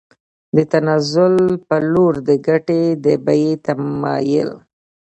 د تنزل په لور د ګټې د بیې تمایل